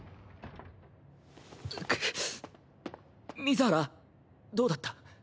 水原どうだった？